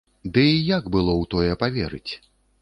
Ды і як было ў тое паверыць?